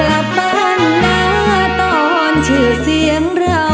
ไม่ต้องไหนะชิคกี้พาย